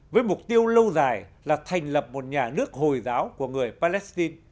với mục tiêu lâu dài là thành lập một nhà nước hồi giáo của người palestine